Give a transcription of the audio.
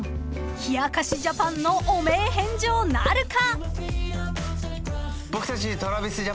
［冷やかしＪａｐａｎの汚名返上なるか？］